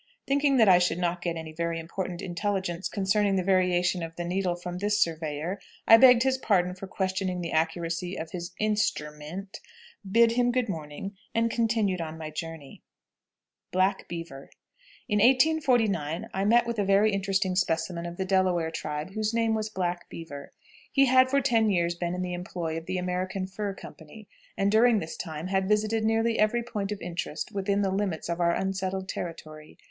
Thinking that I should not get any very important intelligence concerning the variation of the needle from this surveyor, I begged his pardon for questioning the accuracy of his instru ment, bid him good morning, and continued on my journey. BLACK BEAVER. In 1849 I met with a very interesting specimen of the Delaware tribe whose name was Black Beaver. He had for ten years been in the employ of the American Fur Company, and during this time had visited nearly every point of interest within the limits of our unsettled territory.